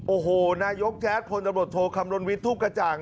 โอ้โหนายกแจ๊ดพลตำรวจโทคำนวณวิทย์ทุกกระจ่าง